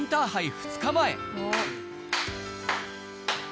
２日前。